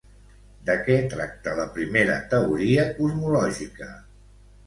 De què tracta la primera teoria cosmològica?